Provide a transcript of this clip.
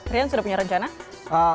rian sudah punya rencana